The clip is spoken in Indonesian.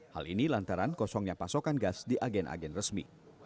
hal ini lantaran kosongnya pasokan gas di agen agen resmi